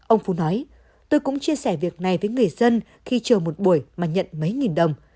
ông phú nói tôi cũng chia sẻ việc này với người dân khi chờ một buổi mà nhận mấy nghìn đồng